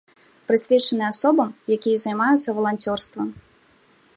Прысвечаны асобам, якія займаюцца валанцёрствам.